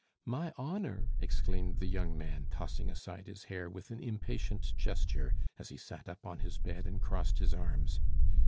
"My honor?" exclaimed the young man, tossing aside his hair with an impatient gesture as he sat up on his bed and crossed his arms.